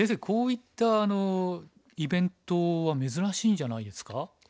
こういったイベントは珍しいんじゃないですか？